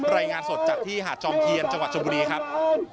รายงานสดจากที่หาดจอมเทียนจังหวัดชมบุรีครับ